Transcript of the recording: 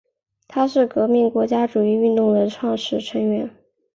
它是革命国际主义运动的创始成员。